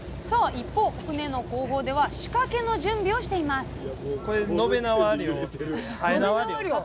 一方船の後方では仕掛けの準備をしていますさあ